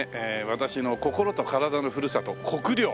私の心と体のふるさと国領。